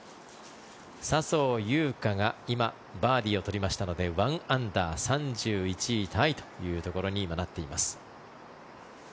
笹生優花が今、バーディーを取りましたので１アンダー、３１位タイということになっています。